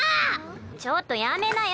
⁉ちょっとやめなよ。